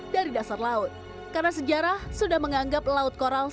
dari dasar laut karena sejarah sudah menganggap laut coral